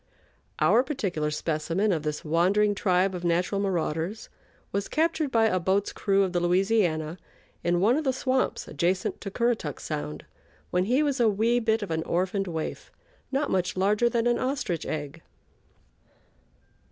Our particular specimen of this wandering tribe of natural marauders was captured by a boat's crew of the Louisiana in one of the swamps adjacent to Currituck Sound when he was a wee bit of an orphaned waif, not much larger than an ostrich egg.